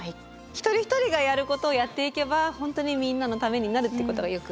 一人一人がやることをやっていけば本当にみんなのためになるということがよく分かりました。